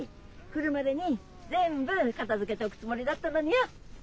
来るまでに全部片づけておくつもりだったのによ。